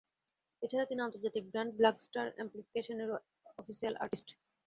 এ ছাড়া তিনি আন্তর্জাতিক ব্র্যান্ড ব্ল্যাকস্টার অ্যামপ্লিফিকেশনেরও অফিশিয়াল আর্টিস্ট।